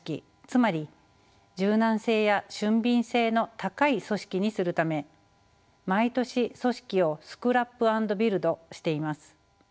つまり柔軟性や俊敏性の高い組織にするため毎年組織をスクラップ＆ビルドしています。